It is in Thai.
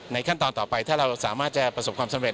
ขั้นตอนต่อไปถ้าเราสามารถจะประสบความสำเร็